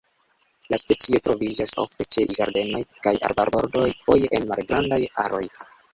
La specio troviĝas ofte ĉe ĝardenoj kaj arbarbordoj, foje en malgrandaj aroj.